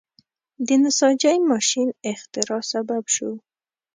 د نساجۍ ماشین اختراع سبب شو.